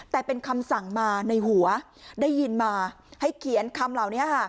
แต่เป็นคำสั่งมาในหัวได้ยินมาให้เขียนคำเหล่านี้ค่ะ